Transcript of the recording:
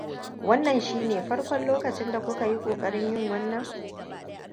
Wannan shine farkon lokacin da kuka yi ƙoƙarin yin wannan?